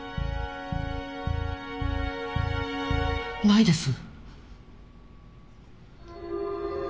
ないです。